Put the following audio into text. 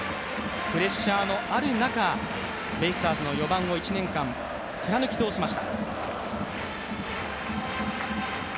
プレッシャーのある中、ベイスターズの４番を１年間、貫き通しました。